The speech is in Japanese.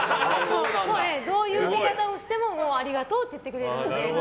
どういうあげ方をしてもありがとうって言ってくれるので。